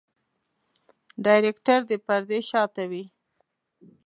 ډايرکټر د پردې شاته وي.